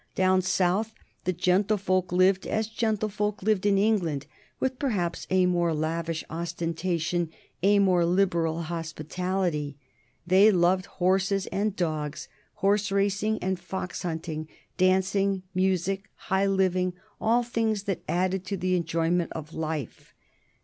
Down South the gentlefolk lived as gentlefolk lived in England, with perhaps a more lavish ostentation, a more liberal hospitality. They loved horses and dogs, horse racing and fox hunting, dancing, music, high living, all things that added to the enjoyment of life.